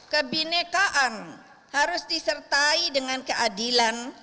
kebinekaan harus disertai dengan keadilan